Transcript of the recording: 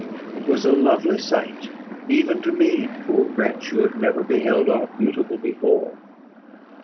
It was a lovely sight, even to me, poor wretch! who had never beheld aught beautiful before.